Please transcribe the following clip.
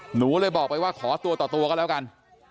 หนูเลยบอกไปว่าขอตัวต่อตัวก็แล้วกัน